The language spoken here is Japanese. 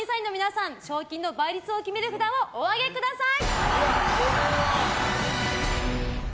では、審査員の皆さん賞金の倍率を決める札をお上げください！